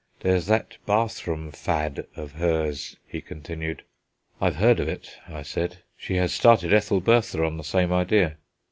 "There's that bathroom fad of hers," he continued. "I've heard of it," I said; "she has started Ethelbertha on the same idea."